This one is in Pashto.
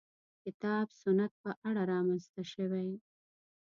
کتاب سنت په اړه رامنځته شوې.